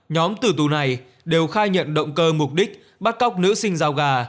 nhóm tử tù này đều khai nhận động cơ mục đích bắt cóc nữ sinh dao gà